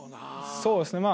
そうですねまあ。